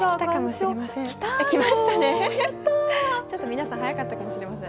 皆さん、早かったかもしれません。